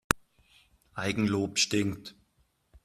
Eigenlob stinkt.